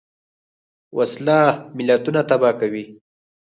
وسله ملتونه تباه کوي